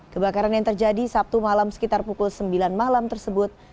kebakaran yang terjadi sabtu malam sekitar pukul sembilan malam tersebut